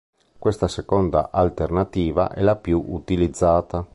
Questa seconda alternativa è la più utilizzata.